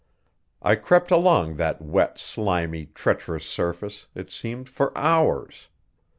I crept along that wet, slimy, treacherous surface, it seemed, for hours.